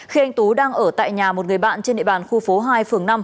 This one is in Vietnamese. khi anh tú đang ở tại nhà một người bạn trên địa bàn khu phố hai phường năm